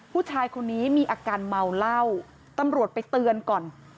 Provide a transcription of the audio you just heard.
ผู้ชายคนนี้มีอาการเมาเหล้าตำรวจไปเตือนก่อน